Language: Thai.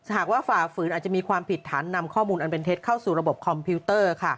หากว่าฝ่าฝืนอาจจะมีความผิดฐานนำข้อมูลอันเป็นเท็จเข้าสู่ระบบคอมพิวเตอร์